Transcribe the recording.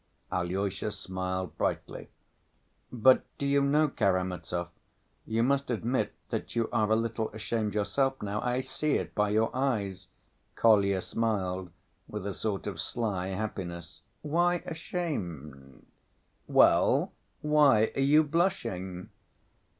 Alyosha smiled brightly. "But do you know, Karamazov, you must admit that you are a little ashamed yourself, now.... I see it by your eyes." Kolya smiled with a sort of sly happiness. "Why ashamed?" "Well, why are you blushing?"